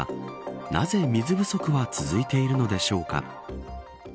なぜ、水不足は続いているのでしょうか。